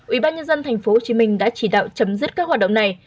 ủy ban nhân dân tp hcm đã chỉ đạo chấm dứt các hoạt động này